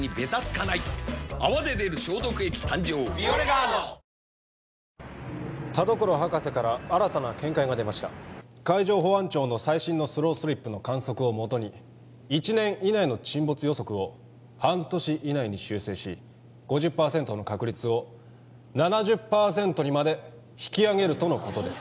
ああ田所博士から新たな見解が出ました海上保安庁の最新のスロースリップの観測を基に１年以内の沈没予測を半年以内に修正し５０％の確率を７０％にまで引き上げるとのことです